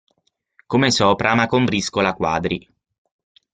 Come sopra ma con briscola quadri.